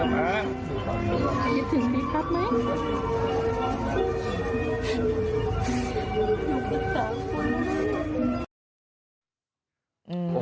ไปแล้วลูกที่นี่ครับอะ